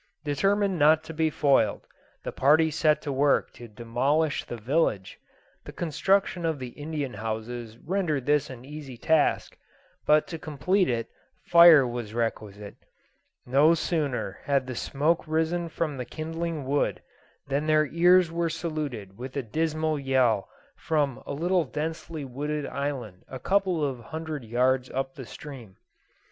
Determined not to be foiled, the party set to work to demolish the village. The construction of the Indian houses rendered this an easy task, but, to complete it, fire was requisite. No sooner had the smoke risen from the kindling wood, than their ears were saluted with a dismal yell from a little densely wooded island a couple of hundred yards up the stream.